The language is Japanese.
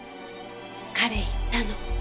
彼言ったの。